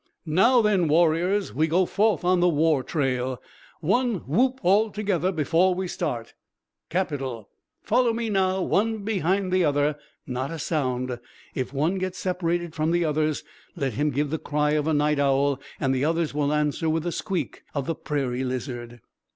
Now, then, warriors, we go forth on the war trail. One whoop all together before we start. Capital! Follow me, now, one behind the other. Not a sound! If one gets separated from the others let him give the cry of a night owl and the others will answer with the squeak of the prairie lizard."